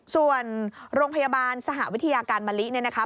ส่วนโรงพยาบาลสหวิทยาการมะลิเนี่ยนะคะ